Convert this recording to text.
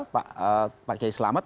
pak cahy selamat